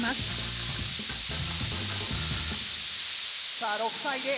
さあ６対０。